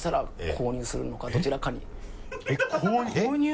購入？